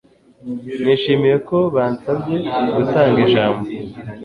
Nishimiye ko bansabye gutanga ijambo.